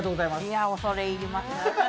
いや、恐れ入ります。